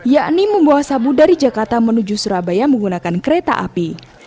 yakni membawa sabu dari jakarta menuju surabaya menggunakan kereta api